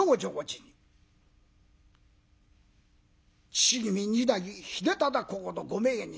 父君二代秀忠公のご命日。